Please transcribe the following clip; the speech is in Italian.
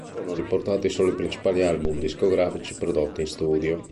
Sono riportati solo i principali album discografici prodotti in studio.